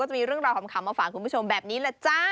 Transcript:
จะมีเรื่องราวขำมาฝากคุณผู้ชมแบบนี้แหละจ้า